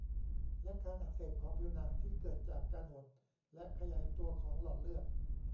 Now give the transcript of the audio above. และการอักเสบของผิวหนังที่เกิดจากการหดและขยายตัวของหลอดเลือด